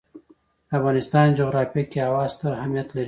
د افغانستان جغرافیه کې هوا ستر اهمیت لري.